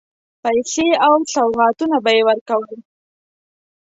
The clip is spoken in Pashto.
پیسې او سوغاتونه به یې ورکول.